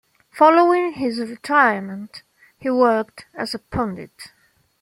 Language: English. Following his retirement, he worked as a pundit.